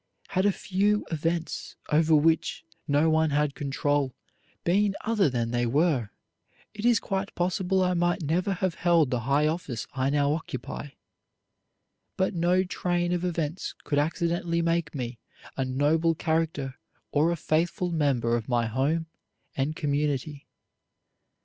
Had a few events over which no one had control been other than they were it is quite possible I might never have held the high office I now occupy, but no train of events could accidentally make me a noble character or a faithful member of my home and community.